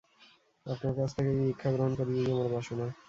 আপনার কাছ থেকেই দীক্ষা গ্রহণ করি এই আমার বাসনা।